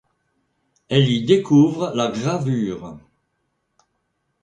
Elle y découvre la gravure.